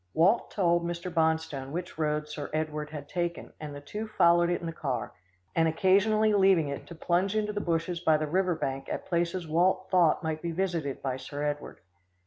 Walt told Mr. Bonstone which road Sir Edward had taken, and the two followed it in the car, and occasionally leaving it to plunge into the bushes by the river bank at places Walt thought might be visited by Sir Edward.